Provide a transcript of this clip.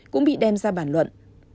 cũng bị đem ra bản luận